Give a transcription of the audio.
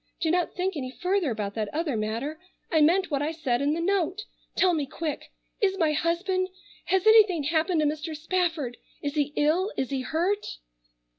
Do not think any further about that other matter. I meant what I said in the note. Tell me quick! Is my husband—has anything happened to Mr. Spafford? Is he ill? Is he hurt?"